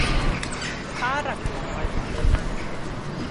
Pa raglen oedd hon?